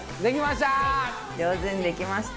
できました！